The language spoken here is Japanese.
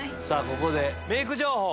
ここでメイク情報！